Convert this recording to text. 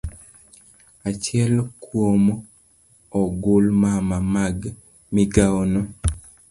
Achiel kuom ogulmama mag migawono